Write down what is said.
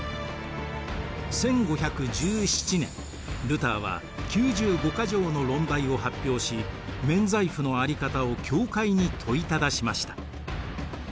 １５１７年ルターは「９５か条の論題」を発表し免罪符のあり方を教会に問いただしました。